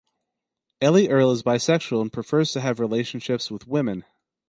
Elli Erl is bisexual and prefers to have relationships with women.